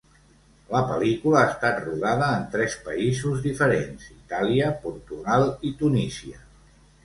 La pel·lícula ha estat rodada en tres països diferents, Itàlia, Portugal i Tunísia.